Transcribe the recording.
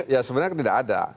ya sebenarnya tidak ada